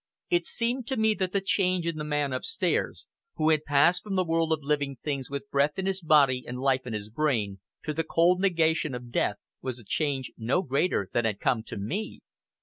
It seemed to me that the change in the man upstairs, who had passed from the world of living things with breath in his body and life in his brain to the cold negation of death, was a change no greater than had come to me.